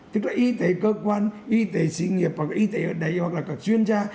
tức là y tế cơ quan y tế sĩ nghiệp và y tế ở đấy hoặc là các chuyên gia